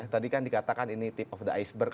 tadi kan dikatakan ini tip of the iceberg